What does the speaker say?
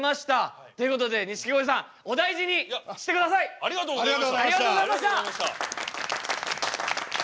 ありがとうございます。